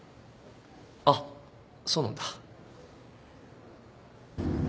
あっそうなんだ。